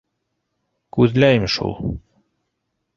Күҙләйем шул...